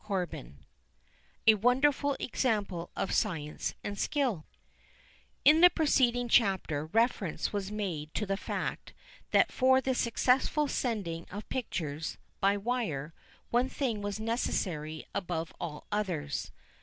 CHAPTER XIV A WONDERFUL EXAMPLE OF SCIENCE AND SKILL In the preceding chapter reference was made to the fact that for the successful sending of pictures "by wire" one thing was necessary above all others.